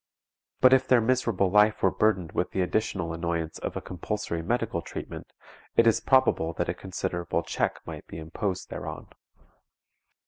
But if their miserable life were burdened with the additional annoyance of a compulsory medical treatment it is probable that a considerable check might be imposed thereon.